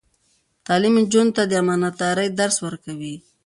تعلیم نجونو ته د امانتدارۍ درس ورکوي.